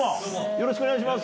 よろしくお願いします。